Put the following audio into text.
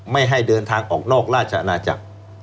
ไม่ให้เดินทางออกนอกราชอาณาจักร